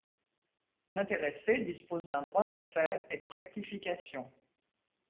L'intéressé dispose d'un droit d'accès et de rectification.